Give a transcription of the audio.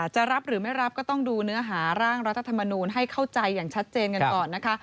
จะรับหรือไม่รับก็ต้องดูเนื้อหาร่างรัฐธรรมนูลให้เข้าใจอย่างชัดเจนกันก่อนนะคะ